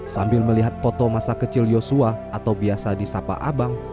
sambil melihat foto masa kecil yosua atau biasa di sapa abang